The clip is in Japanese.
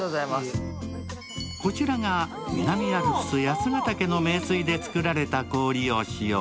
こちらが南アルプス八ヶ岳の名水で作られた氷を使用。